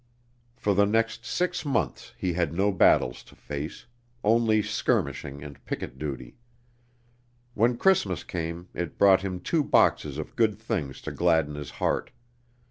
For the next six months he had no battles to face only skirmishing and picket duty. When Christmas came it brought him two boxes of good things to gladden his heart.